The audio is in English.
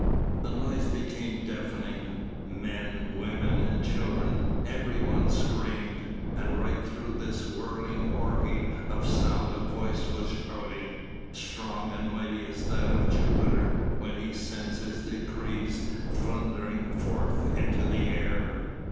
The noise became deafening: men, women, children, everyone screamed, and right through this whirling orgy of sound a voice was shouting, strong and mighty as that of Jupiter when he sends his decrees thundering forth into the air.